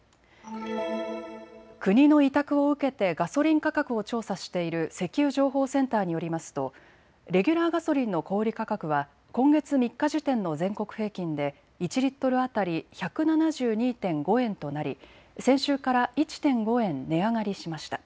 国の委託を受けてガソリン価格を調査している石油情報センターによりますとレギュラーガソリンの小売価格は今月３日時点の全国平均で１リットル当たり１７２．５円となり先週から１．５円値上がりしました。